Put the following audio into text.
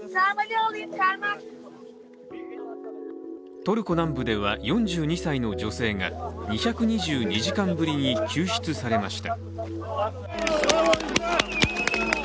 トルコ南部では４２歳の女性が２２２時間ぶりに救出されました。